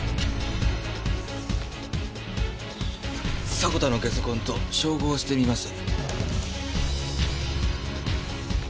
迫田の下足痕と照合してみます。